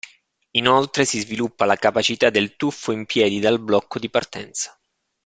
Inoltre, si sviluppa la capacità del tuffo in piedi dal blocco di partenza.